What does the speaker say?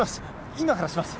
今からします